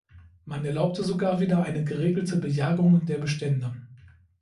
Man erlaubte sogar wieder eine geregelte Bejagung der Bestände.